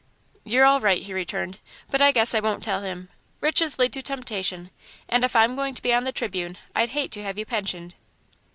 "You're all right," he returned, "but I guess I won't tell him. Riches lead to temptation, and if I'm going to be on The Tribune I'd hate to have you pensioned."